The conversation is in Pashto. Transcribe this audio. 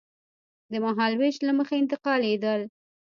د مهالوېش له مخې انتقالېدل.